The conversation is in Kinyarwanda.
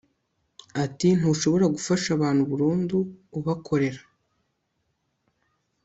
Ati Ntushobora gufasha abantu burundu ubakorera